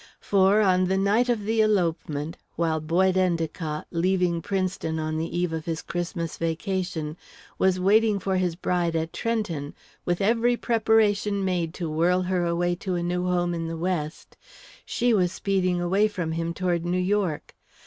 For, on the night of the elopement, while Boyd Endicott, leaving Princeton on the eve of his Christmas vacation, was waiting for his bride at Trenton, with every preparation made to whirl her away to a new home in the West, she was speeding away from him toward New York.